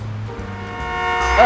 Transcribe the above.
aku juga ingin menemukan kota